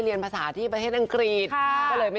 หน้าที่ไหนค่ะ